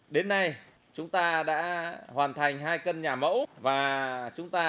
đến nay chúng ta đã hoàn thành hai căn nhà mẫu